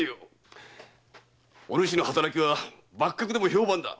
おぬしの働きは幕閣でも評判だ。